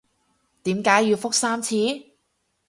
點解要覆三次？